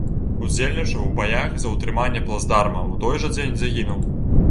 Удзельнічаў у баях за ўтрыманне плацдарма, у той жа дзень загінуў.